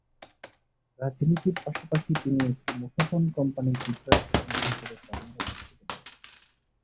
রাজনীতির পাশাপাশি তিনি একটি মুঠোফোন কোম্পানির বিক্রয় প্রতিনিধি হিসেবে কর্মরত ছিলেন।